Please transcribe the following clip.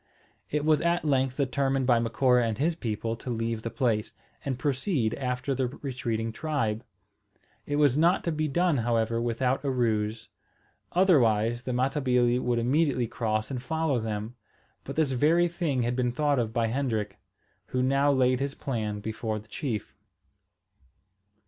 It was at length determined by Macora and his people to leave the place, and proceed after the retreating tribe. It was not to be done, however, without a ruse; otherwise the Matabili would immediately cross and follow them. But this very thing had been thought of by Hendrik, who now laid his plan before the chief.